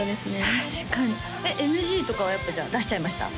確かにＮＧとかはやっぱじゃあ出しちゃいました？